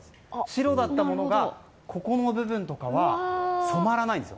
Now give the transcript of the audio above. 白だったものがここの部分とかは染まらないんです。